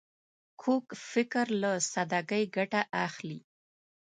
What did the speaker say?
کوږ فکر له سادګۍ ګټه اخلي